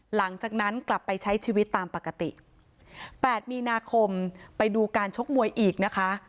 หลังจากนั้นกลับไปใช้ชีวิตตามปกติแปดมีนาคมไปดูการชกมวยอีกนะคะ